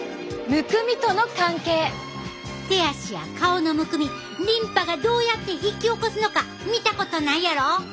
手足や顔のむくみリンパがどうやって引き起こすのか見たことないやろ？